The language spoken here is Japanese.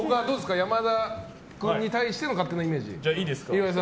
山田君に対しての勝手なイメージ。